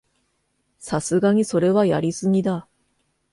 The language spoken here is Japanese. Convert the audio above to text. さすがにそれはやりすぎだ